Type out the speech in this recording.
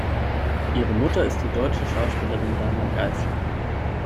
Ihre Mutter ist die deutsche Schauspielerin Dana Geissler.